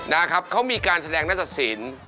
นะครับเขามีการแสดงนาฏศิลป์